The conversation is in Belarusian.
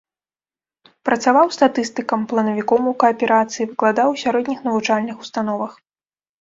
Працаваў статыстыкам, планавіком у кааперацыі, выкладаў у сярэдніх навучальных установах.